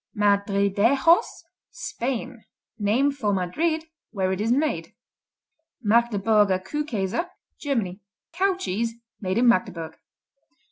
Madridejos Spain Named for Madrid where it is made. Magdeburger kuhkäse Germany "Cow cheese" made in Magdeburg.